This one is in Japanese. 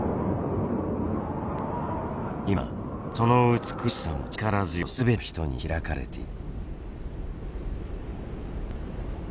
今その美しさも力強さも全ての人に開かれている。